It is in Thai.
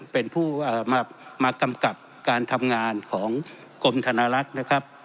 เป็นผู้มากำกับการทำงานของกรมธนลักษณ์นะครับ